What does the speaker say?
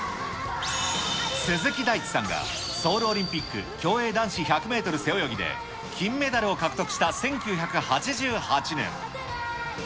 鈴木大地さんがソウルオリンピック競泳男子１００メートル背泳ぎで金メダルを獲得した１９８８年。